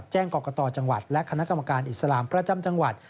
กรกตจังหวัดและคณะกรรมการอิสลามประจำจังหวัด